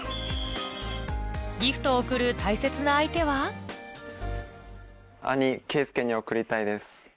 ギフトを贈る大切な相手は兄圭祐に贈りたいです。